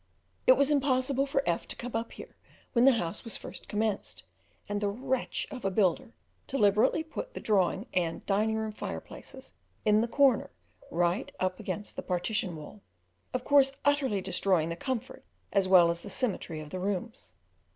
It was impossible for F to come up here when the house was first commenced, and the wretch of a builder deliberately put the drawing and dining room fireplaces in the corner, right up against the partition wall, of course utterly destroying the comfort as well as the symmetry of the rooms.